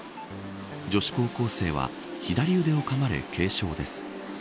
女子高校生は左腕をかまれ軽傷です。